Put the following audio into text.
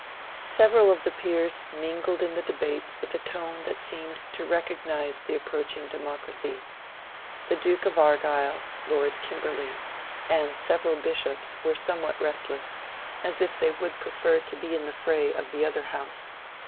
Several of the peers mingled in the debates with a tone that seemed to recognize the approaching democracy; the Duke of Argyll, Lord Kimberly, and several bishops were somewhat restless, as if they would prefer to be in the fray of the other House.